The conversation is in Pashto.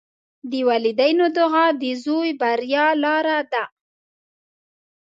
د والدینو دعا د زوی د بریا لاره ده.